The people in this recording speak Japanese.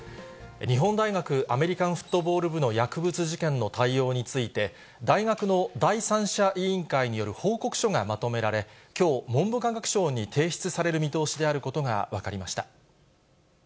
日本大学アメリカンフットボール部の薬物事件の対応について、大学の第三者委員会による報告書がまとめられ、きょう、文部科学省に提出される見通しであることが分かりました。